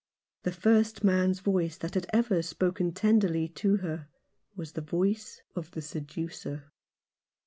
The first man's voice that had ever spoken tenderly to her was the voice of the seducer.